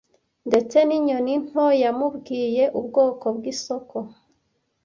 ndetse ninyoni nto yamubwiye "ubwoko bw'isoko.